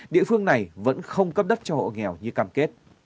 địa phương này vẫn không cấp đất cho hộ nghèo như cam kết